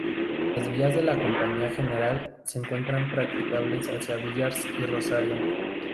Las vías de la Compañía General se encuentran practicables hacia Villars y Rosario.